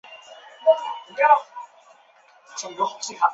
科维尼亚克。